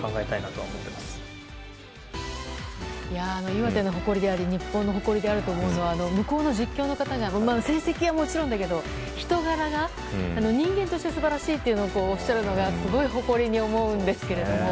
岩手の誇りであり日本で誇りであると思うのは向こうの実況の方が成績はもちろんだけども人柄が、人間として素晴らしいというのをおっしゃるのが、すごい誇りに思うんですけれども。